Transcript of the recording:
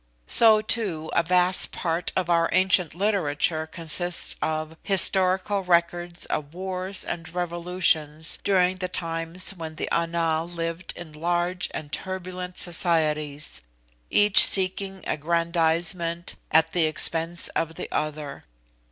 So, too, a vast part of our ancient literature consists of historical records of wars an revolutions during the times when the Ana lived in large and turbulent societies, each seeking aggrandisement at the expense of the other.